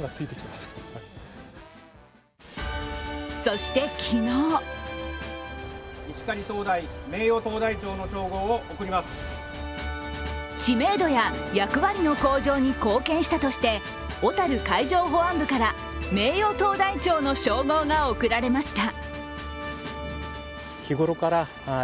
そして昨日知名度や役割の向上に貢献したとして小樽海上保安部から名誉灯台長の称号が贈られました。